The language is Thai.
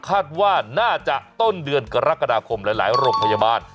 คาดว่าน่าจะต้นเดือนกรกฎาคมหลายโรงพยาบาล